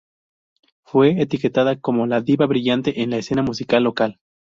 Fue etiquetada como "La Diva brillante" en la escena musical local.